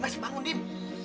mas bangun dim